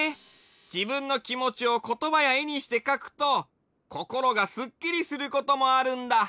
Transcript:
じぶんのきもちをことばやえにしてかくとこころがスッキリすることもあるんだ。